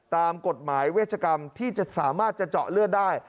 ตามกฎหมายเวชกรรมที่จะสามารถจะเจาะเลือดได้